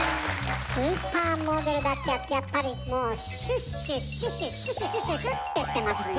スーパーモデルだけあってやっぱりもうシュッシュッシュシュシュシュシュシュシュッてしてますもんね。